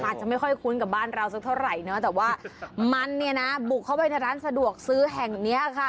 อาจจะไม่ค่อยคุ้นกับบ้านเราสักเท่าไหร่นะแต่ว่ามันเนี่ยนะบุกเข้าไปในร้านสะดวกซื้อแห่งเนี้ยค่ะ